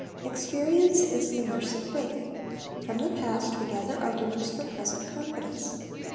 Experience is the nurse of failh. From the past we gather arguments for present con fidence.